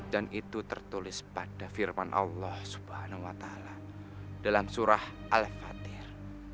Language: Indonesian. dan itu tertulis pada firman allah swt dalam surah al fatir